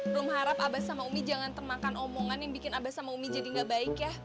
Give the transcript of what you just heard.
belum harap abas sama umi jangan termakan omongan yang bikin abah sama umi jadi gak baik ya